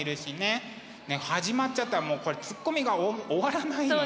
始まっちゃったらもうこれつっこみが終わらないのね。